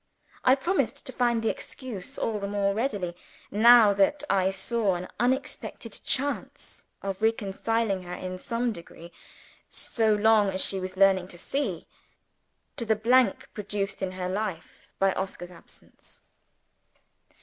I promised to find the excuse all the more readily, that I now saw an unexpected chance of reconciling her in some degree (so long as she was learning to see) to the blank produced in her life by Oscar's absence.